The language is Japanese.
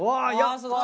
すごい。